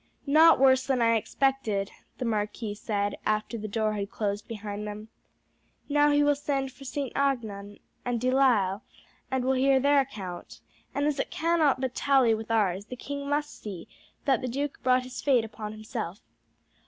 "Not worse than I expected," the marquis said, after the door had closed behind them. "Now he will send for St. Aignan and De Lisle, and will hear their account, and as it cannot but tally with ours the king must see that the duke brought his fate upon himself.